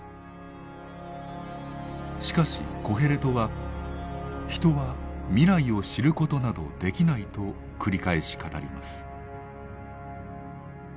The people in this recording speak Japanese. しかしコヘレトは「人は未来を知ることなどできない」と繰り返し語ります。